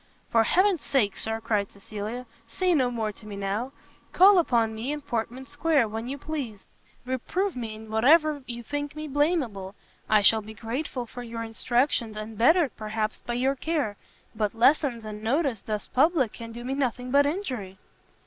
"For Heaven's sake, Sir," cried Cecilia, "say no more to me now: call upon me in Portman square when you please, reprove me in whatever you think me blameable, I shall be grateful for your instructions, and bettered, perhaps, by your care; but lessons and notice thus public can do me nothing but injury."